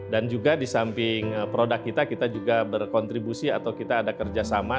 dan juga di samping produk kita kita juga berkontribusi atau kita ada kerjasama